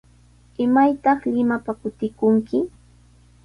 ¿Imaytaq Limapa kutikunki?